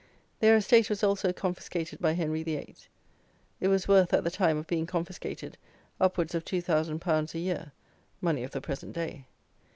Their estate was also confiscated by Henry VIII. It was worth, at the time of being confiscated, upwards of two thousand pounds a year, money of the present day.